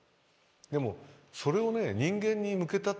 でもそれをね人間に向けたっていうのはね。